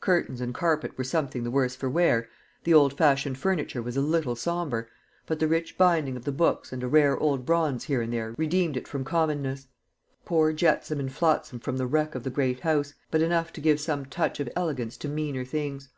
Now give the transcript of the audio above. Curtains and carpet were something the worse for wear, the old fashioned furniture was a little sombre; but the rich binding of the books and a rare old bronze here and there redeemed it from commonness poor jetsam and flotsam from the wreck of the great house, but enough to give some touch of elegance to meaner things.